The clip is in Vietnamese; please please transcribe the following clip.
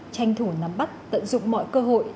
tranh thủ nắm bắt tận dụng mọi cơ hội